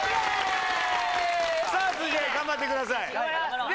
さあ続いて頑張ってください頑張ろう！